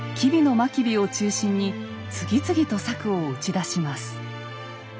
真備を中心に次々と策を打ち出します。